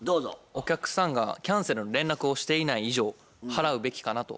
お客さんがキャンセルの連絡をしていない以上払うべきかなと思います。